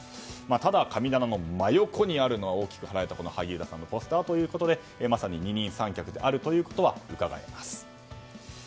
ただ、神棚の真横にあるのは大きく貼られた萩生田さんのポスターということでまさに二人三脚であることがうかがえます。